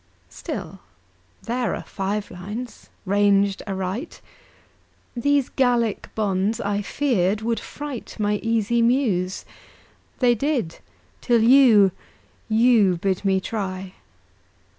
Still, there are five lines ranged aright. These Gallic bonds, I feared, would fright My easy Muse. They did, till you You bid me try!